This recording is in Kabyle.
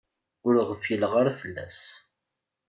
Ur ɣfileɣ ara fell-as.